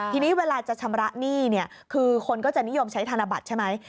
ทีนี้เวลาจะชำระหนี้เนี่ยคือคนก็จะนิยมใช้ธนบัตรใช่ไหม